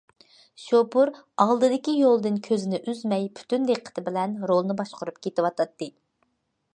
شوپۇر ئالدىدىكى يولدىن كۆزىنى ئۈزمەي پۈتۈن دىققىتى بىلەن رولنى باشقۇرۇپ كېتىۋاتاتتى.